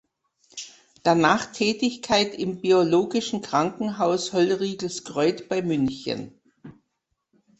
Danach Tätigkeit im Biologischen Krankenhaus Höllriegelskreuth bei München.